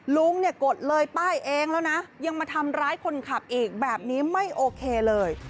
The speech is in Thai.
ลุงเนี่ยกดเลยป้ายเองแล้วนะยังมาทำร้ายคนขับอีกแบบนี้ไม่โอเคเลย